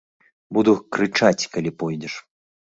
Буду крычаць, калі пойдзеш.